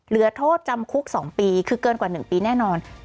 เหลือโทษจำคุก๒ปีคือเกินกว่า๑ปีแน่นอน